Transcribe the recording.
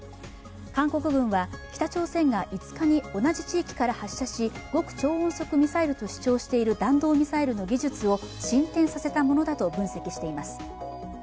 韓国軍は、北朝鮮が５日に同じ地域から発射し、極超音速ミサイルと主張している弾道ミサイルの技術を進展させたものだと分析しています。